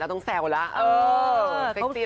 แล้วต้องแซวละเซ็กซี่